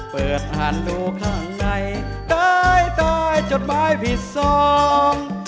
เปิดอ่านดูข้างในตายใต้จดหมายผิดสอง